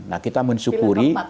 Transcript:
nah kita mensyukuri